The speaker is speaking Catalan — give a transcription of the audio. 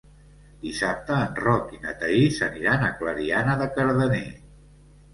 Dissabte en Roc i na Thaís aniran a Clariana de Cardener.